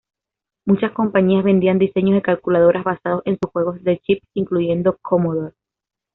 Muchas compañías vendían diseños de calculadoras basados en sus juegos de chips, incluyendo Commodore.